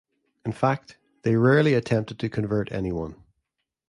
In fact, they rarely attempted to convert anyone.